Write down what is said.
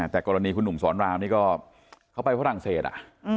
แต่กรณีคุณหนุ่มสอนรามนี่ก็เขาไปฝรั่งเศส